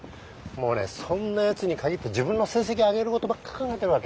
もうねそんなやつに限って自分の成績上げることばっか考えてるわけ。